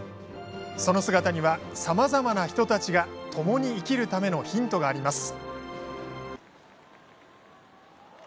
その姿には、さまざまな人たちがともに生きるためのヒントがあります。